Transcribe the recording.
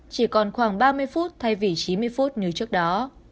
chỉ còn khoảng ba mươi phút thay vì chín mươi phút như trước đó